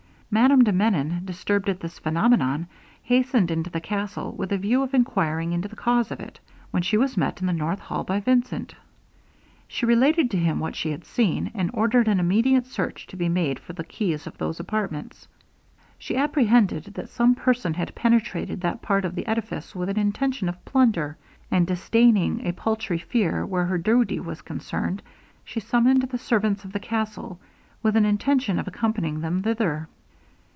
Madame de Menon, disturbed at this phaenomenon, hastened into the castle, with a view of enquiring into the cause of it, when she was met in the north hall by Vincent. She related to him what she had seen, and ordered an immediate search to be made for the keys of those apartments. She apprehended that some person had penetrated that part of the edifice with an intention of plunder; and, disdaining a paltry fear where her duty was concerned, she summoned the servants of the castle, with an intention of accompanying them thither.